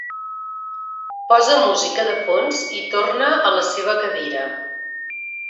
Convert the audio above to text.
Posa música de fons i torna a la seva cadira.